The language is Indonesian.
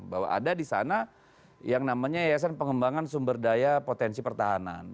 bahwa ada di sana yang namanya yayasan pengembangan sumber daya potensi pertahanan